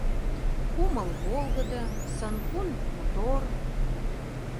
Кумыл — волгыдо, сын-кун — мотор.